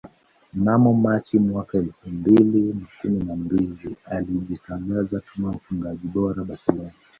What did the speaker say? Mnamo Machi mwaka elfu mbili na kumi na mbili alijitangaza kama mfungaji bora Barcelona